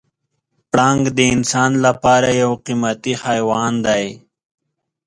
پړانګ د انسان لپاره یو قیمتي حیوان دی.